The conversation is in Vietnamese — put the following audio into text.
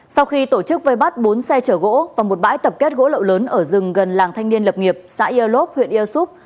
sau khi tổ chức vây bắt bốn xe chở gỗ và một bãi tập kết gỗ lậu lớn ở rừng gần làng thanh niên lập nghiệp xã yêu lốp huyện yêu xúc